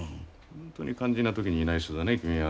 本当に肝心な時にいない人だね君は。